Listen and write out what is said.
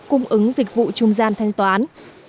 cung ứng dịch vụ trung gian thanh toán